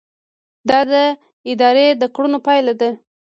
دا د ادارې د کړنو پایله ده.